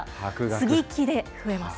接ぎ木で増えます。